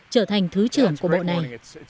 trở thành thứ trưởng của bộ này